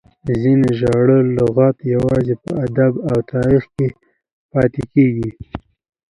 ځینې زاړي لغات یوازي په ادب او تاریخ کښي پاته کیږي.